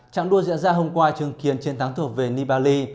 trạng đua diễn ra hôm qua chứng kiến chiến thắng thuộc về nibay